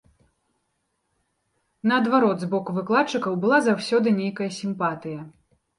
Наадварот, з боку выкладчыкаў была заўсёды нейкая сімпатыя.